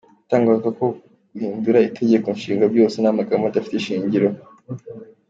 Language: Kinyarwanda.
Ibitangazwa ku guhindura itegeko nshinga byose ni amagambo adafite ishingiro.